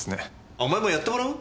お前もやってもらう？